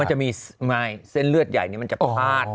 มันจะมีเส้นเลือดใหญ่นี้มันจะพาด